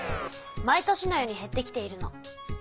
毎年のようにへってきているの。